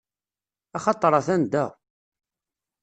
Axaṭeṛ atan da.